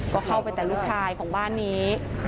ก็เข้าไปแต่ลูกชายของบ้านนี้